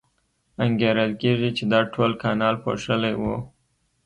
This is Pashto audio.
انګېرل کېږي چې دا ټول کانال پوښلی و.